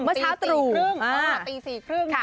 เมื่อเช้าตีสี่ครึ่ง